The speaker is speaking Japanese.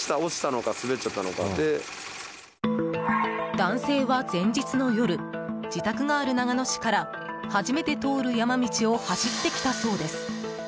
男性は前日の夜自宅がある長野市から初めて通る山道を走ってきたそうです。